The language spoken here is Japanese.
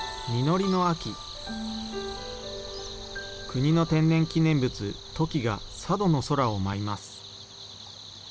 国の天然記念物、トキが佐渡の空を舞います。